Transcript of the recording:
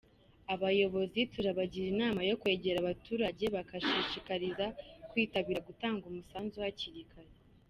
Abayobozi turabagira inama yo kwegera abaturage bakabashishikariza kwitabira gutanga umusanzu hakiri kare”.